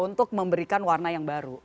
untuk memberikan warna yang baru